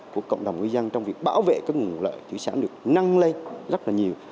của cộng đồng ngư dân trong việc bảo vệ các nguồn lợi thủy sản được năng lây rất là nhiều